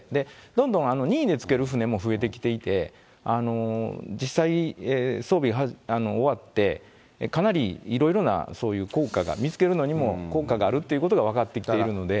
どんどん任意で付ける船も増えてきていて、実際、装備が終わって、かなりいろいろなそういう効果が、見つけるのにも効果があるっていうことが分かってきているので。